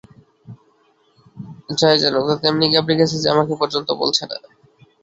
যাই জানুক, তাতে এমনি ঘাবড়ে গেছে যে আমাকে পর্যন্ত বলছে না।